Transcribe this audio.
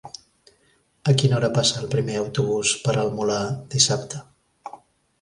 A quina hora passa el primer autobús per el Molar dissabte?